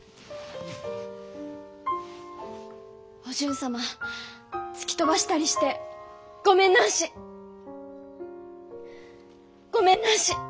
お順様突き飛ばしたりしてごめんなんし。